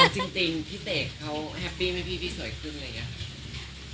จริงพี่เสกเขาแฮปปี้ไหมพี่พี่สวยขึ้นอะไรอย่างนี้